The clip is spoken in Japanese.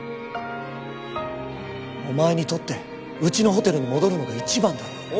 お前にとってうちのホテルに戻るのが一番だろ。